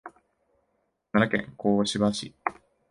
奈良県香芝市